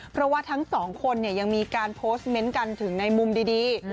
เพราะว่าทั้งสองคนเนี่ยยังมีการโพสต์เม้นต์กันถึงในมุมดี